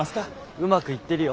うまくいってるよ。